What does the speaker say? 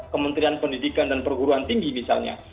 kementerian pendidikan dan perguruan tinggi misalnya